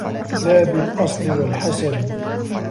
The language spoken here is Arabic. لَا بِالْأَصْلِ وَالْحَسَبِ